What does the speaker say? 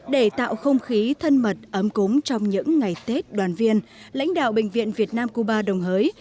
để tạo không khí thân mật ấm cúng trong những ngày tết đoàn viên lãnh đạo bệnh viện việt nam cuba đồng hới